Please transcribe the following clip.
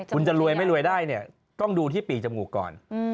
คุณจะรวยไม่รวยได้เนี่ยต้องดูที่ปีกจมูกก่อน